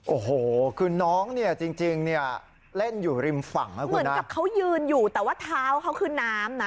โอ้โหคือน้องเนี่ยจริงเนี่ยเล่นอยู่ริมฝั่งนะคุณเหมือนกับเขายืนอยู่แต่ว่าเท้าเขาคือน้ำนะ